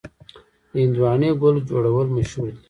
د هندواڼې ګل جوړول مشهور دي.